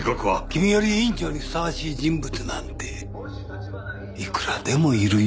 君より委員長にふさわしい人物なんていくらでもいるよ。